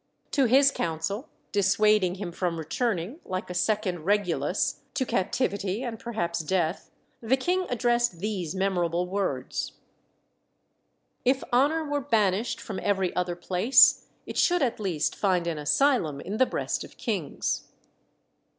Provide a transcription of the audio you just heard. To his council, dissuading him from returning, like a second Regulus, to captivity and perhaps death, the king addressed these memorable words "If honour were banished from every other place, it should at least find an asylum in the breast of kings."